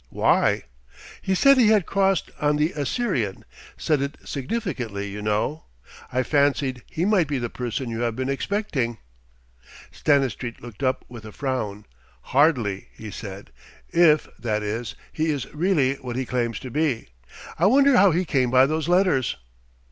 "Why?" "He said he had crossed on the Assyrian, said it significantly, you know. I fancied he might be the person you have been expecting." Stanistreet looked up with a frown. "Hardly," he said "if, that is, he is really what he claims to be. I wonder how he came by those letters."